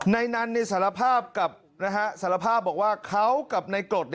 ในนั้นสารภาพบอกว่าเขากับนายกฏ